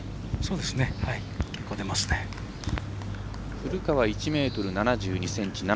古川、１ｍ７２ｃｍ。